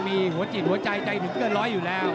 ตามต่อยกที่สองครับ